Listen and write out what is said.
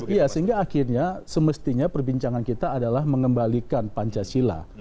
iya sehingga akhirnya semestinya perbincangan kita adalah mengembalikan pancasila